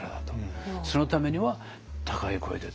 そのためには高い声でって。